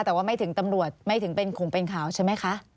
แต่ว่าไม่ถึงตำรวจไม่ถึงเป็นขงเป็นข่าวใช่ไหมคะ